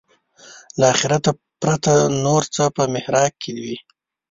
له آخرته پرته نور څه په محراق کې وي.